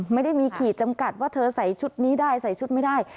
ไม่ได้มีขีดจำกัดว่าเธอใส่ชุดนี้ได้ใส่ชุดไม่ได้